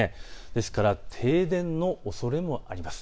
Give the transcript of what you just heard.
ですから停電のおそれもあります。